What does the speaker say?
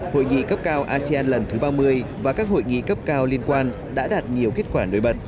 hội nghị cấp cao asean lần thứ ba mươi và các hội nghị cấp cao liên quan đã đạt nhiều kết quả nổi bật